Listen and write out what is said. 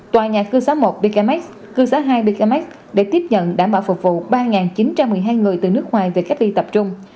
tòa nhà cư xá một bkmex cư xã hai bkmac để tiếp nhận đảm bảo phục vụ ba chín trăm một mươi hai người từ nước ngoài về cách ly tập trung